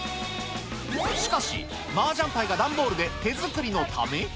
しかし、マージャンパイが段ボールで手作りのため。